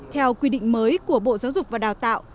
theo quy định mới của bộ giáo dục và đào tạo